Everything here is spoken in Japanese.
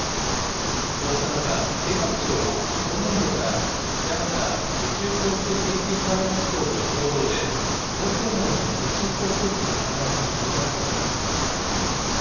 こうした中、警察庁は、今年度からＪＡＸＡ・宇宙航空研究開発機構と共同で、高性能の無人航空機の開発に乗り出すことを決めました。